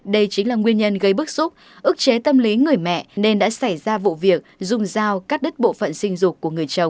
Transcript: đây chính là nguyên nhân gây bức xúc ước chế tâm lý người mẹ nên đã xảy ra vụ việc dùng dao các đất bộ phận sinh dục